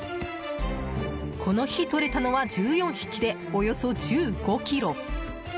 この日とれたのは１４匹で、およそ１５ｋｇ。